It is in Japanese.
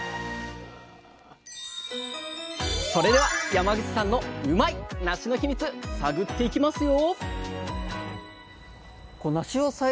それでは山口さんのうまいッ！なしのヒミツ探っていきますよ！